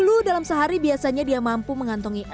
dulu dalam sehari biasanya dia mampu mengantongi enam ratus